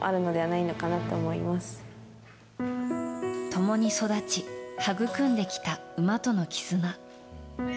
共に育ちはぐくんできた馬との絆。